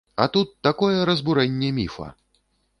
А тут такое разбурэнне міфа!